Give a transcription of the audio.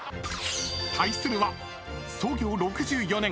［対するは創業６４年］